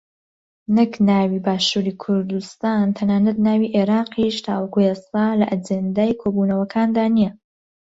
نەک ناوی باشووری کوردستان تەنانەت ناوی عێراقیش تاوەکو ئێستا لە ئەجێندای کۆبوونەوەکاندا نییە